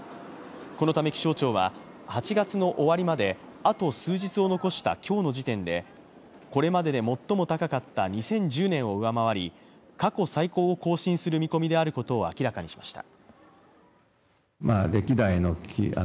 このため気象庁は、８月の終わりまであと数日を残した今日の時点でこれまでで最も高かった２０１０年を上回り過去最高を更新する見込みであることを明らかにしました。